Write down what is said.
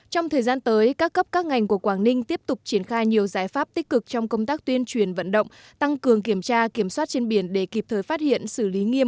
trong thời gian tới các cấp các ngành của quảng ninh tiếp tục triển khai nhiều giải pháp tích cực trong công tác tuyên truyền vận động tăng cường kiểm tra kiểm soát trên biển để kịp thời phát hiện xử lý nghiêm